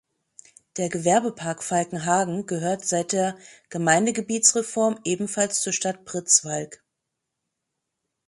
Der Gewerbepark Falkenhagen gehört seit der Gemeindegebietsreform ebenfalls zur Stadt Pritzwalk.